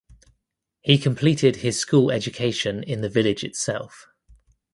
He completed his school education in the village itself.